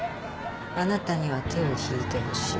あなたには手を引いてほしい。